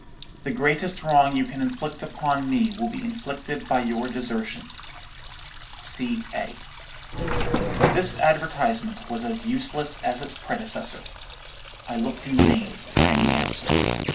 The greatest wrong you can inflict upon me will be inflicted by your desertion_. C. A.' "This advertisement was as useless as its predecessor. I looked in vain for any answer.